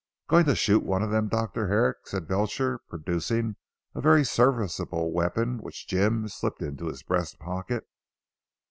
"Going to shoot one of them Dr. Herrick?" said Belcher producing a very serviceable weapon which Jim slipped into his breast pocket.